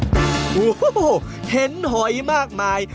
โอ้โหเห็นหอยมากมาย